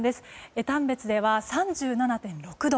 江丹別では３７．６度。